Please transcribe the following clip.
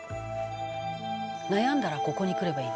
「悩んだらここに来ればいい」